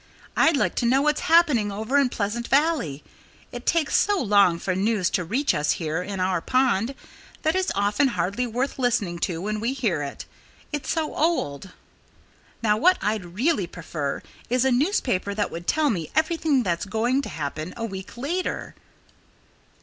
"I'd like to know what's happening over in Pleasant Valley. It takes so long for news to reach us here in our pond that it's often hardly worth listening to when we hear it it's so old. Now, what I'd really prefer is a newspaper that would tell me everything that's going to happen a week later."